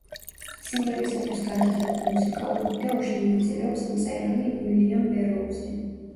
სიმღერისათვის გადაღებულ მუსიკალურ ვიდეოში მონაწილეობს მწერალი უილიამ ბეროუზი.